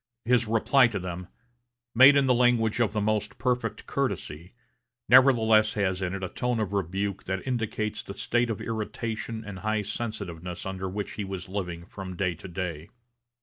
His reply to them, made in the language of the most perfect courtesy nevertheless has in it a tone of rebuke that indicates the state of irritation and high sensitiveness under which he was living from day to day.